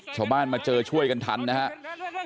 ชาวบ้านมาเจอช่วยกันทันนะครับ